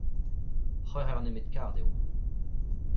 C'hwec'h eur nemet kard eo.